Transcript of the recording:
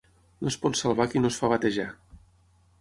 No es pot salvar qui no es fa batejar.